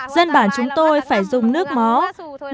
dân bản chúng tôi phải dùng nước máu